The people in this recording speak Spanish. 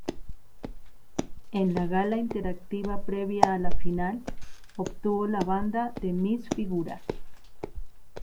En la gala interactiva previa a la final, obtuvo la banda de "Miss Figura".